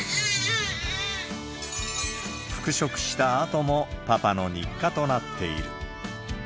復職したあとも、パパの日課となっている。